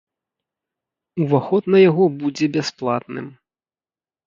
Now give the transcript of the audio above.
Уваход на яго будзе бясплатным.